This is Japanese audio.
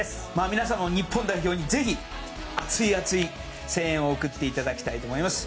皆さんも日本代表にぜひ熱い熱い声援を送って頂きたいと思います。